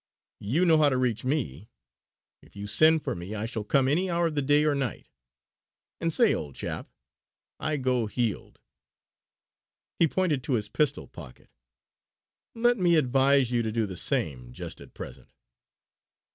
You know how to reach me. If you send for me I shall come any hour of the day or night. And say, old chap, I go heeled!" he pointed to his pistol pocket. "Let me advise you to do the same just at present!"